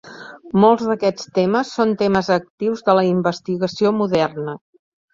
Molts d'aquests temes són temes actius de la investigació moderna.